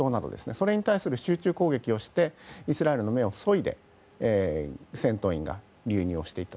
それに対する集中攻撃をしてイスラエルの目をそいで戦闘員で流入していく。